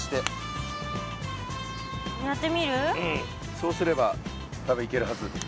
そうすれば多分いけるはず。